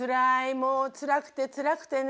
もうつらくてつらくてね。